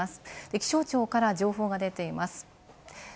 気象庁から情報が出ています。